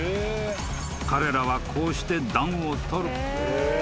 ［彼らはこうして暖をとる］